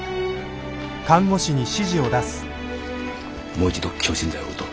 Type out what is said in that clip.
もう一度強心剤をうとう。